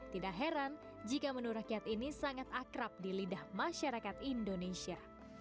tidak heran jika menu rakyat ini sangat akrab di lidah masyarakat indonesia